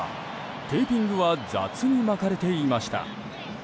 テーピングは雑に巻かれていました。